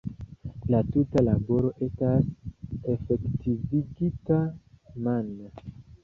La tuta laboro estas efektivigita mane.